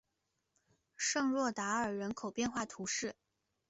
圣若达尔人口变化图示